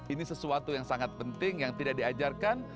ini sesuatu yang sangat penting yang tidak diajarkan